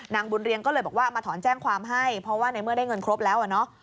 นางบุญเรียงก็เลยบอกว่ามาถอนแจ้งความให้เพราะว่าในเมื่อได้เงินครบแล้วอ่ะเนาะ